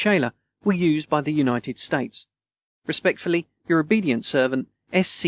Shaler were used by the United States. Respectfully, your obedient servant, S. C.